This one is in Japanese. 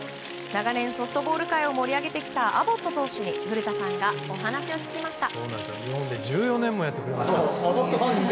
長年ソフトボール界を盛り上げてきたアボット投手に古田さんがお話を聞きました。